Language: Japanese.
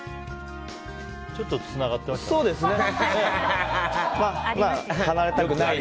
ちょっとつながってましたね。